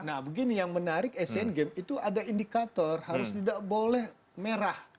nah begini yang menarik asian games itu ada indikator harus tidak boleh merah